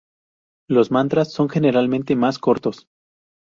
Los mantras son generalmente más cortos.